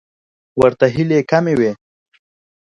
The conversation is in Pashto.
ورته هیلې کمې وې.